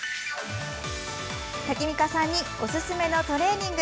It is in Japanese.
タキミカさんにおすすめのトレーニング